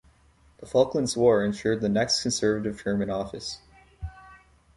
The Falklands War ensured the next Conservative term in office.